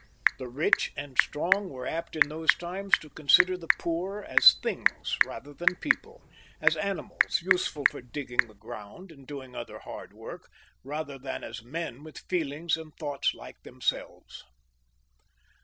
The rich and strong were apt in those times to consider the poor as things rather than people, as animals useful for digging the ground and doing other hard work, rather than as men with feelings and thoughts like themselves.